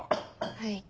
はい。